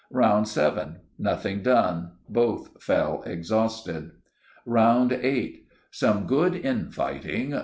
"Round 7.—Nothing done. Both fell exhausted. "Round 8.—Some good in fighting.